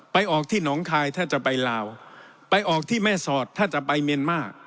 ออกที่หนองคายถ้าจะไปลาวไปออกที่แม่สอดถ้าจะไปเมียนมาร์